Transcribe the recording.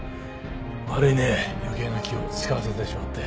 悪いね余計な気を使わせてしまって。